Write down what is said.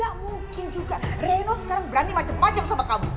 gak mungkin juga reno sekarang berani macam macam sama kamu